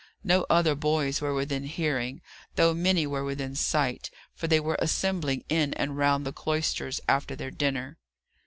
No other boys were within hearing; though many were within sight; for they were assembling in and round the cloisters after their dinner.